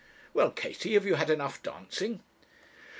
'Well, Katie, have you had enough dancing?'